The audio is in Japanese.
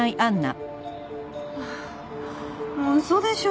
もう嘘でしょ？